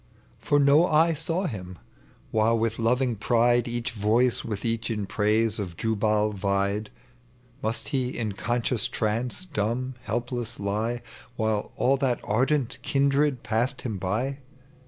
For no eye saw him, while with loving pride Each voice with each in praise of Jubal vied. Must he in conscious trance, dumb, helpless lie While all that ardent kindred passed him by?